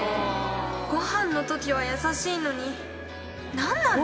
ごはんのときは優しいのに、何なんだ？